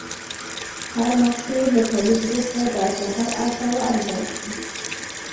هر محصول له تولید وروسته باید له هر اړخه وارزول شي.